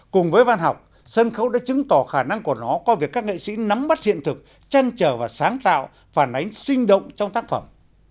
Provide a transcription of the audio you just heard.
cùng với văn học sân khấu đã chứng tỏ khả năng của nó qua việc các nghệ sĩ nắm bắt hiện thực chăn trở và sáng tạo phản ánh sinh động trong tác phẩm